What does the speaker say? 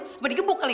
kebadi gebuk kali